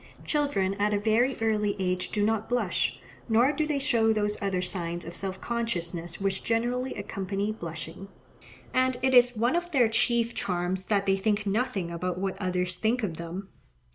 Children at a very early age do not blush; nor do they show those other signs of self consciousness which generally accompany blushing; and it is one of their chief charms that they think nothing about what others think of them.